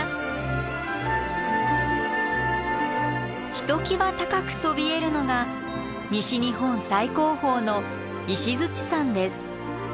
ひときわ高くそびえるのが西日本最高峰の石山です。